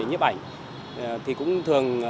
nhếp ảnh thì cũng thường